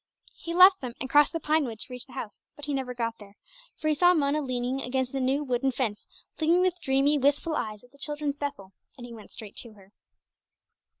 He left them, and crossed the pine wood to reach the house, but he never got there, for he saw Mona leaning against the new wooden fence looking with dreamy, wistful eyes at the children's "Bethel," and he went straight to her.